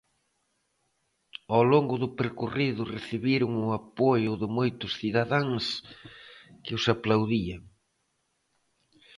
Ao longo do percorrido recibiron o apoio de moitos cidadáns que os aplaudían.